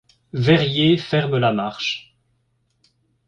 Verrier ferme la marche.